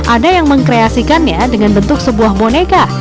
ada yang mengkreasikannya dengan bentuk sebuah boneka